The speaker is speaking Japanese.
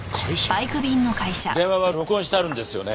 電話は録音してあるんですよね？